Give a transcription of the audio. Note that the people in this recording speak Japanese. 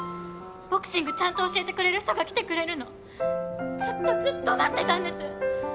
ボクシングちゃんと教えてくれる人が来てくれるのずっとずっと待ってたんです！